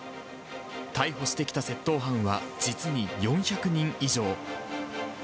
逮捕してきた窃盗犯は、実に４００人以上。